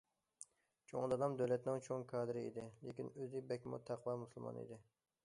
چوڭ دادام دۆلەتنىڭ چوڭ كادىرى ئىدى، لېكىن ئۆزى بەكمۇ تەقۋا مۇسۇلمان ئىدى.